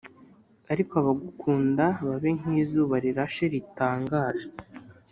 Ariko abagukunda babe nk izuba rirashe ritangaje